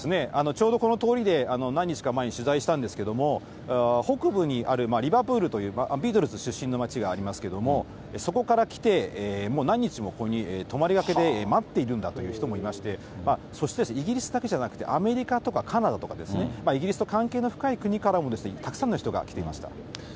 ちょうどこの通りで、何日か前に取材したんですけれども、北部にあるリバプールという、ビートルズ出身の街がありますけども、そこから来て、もう何日もここに泊りがけで待っているんだという人もいまして、そしてイギリスだけじゃなくて、アメリカとかカナダとかですね、イギリスと関係が深い国からも、たくさんの人が来ていました。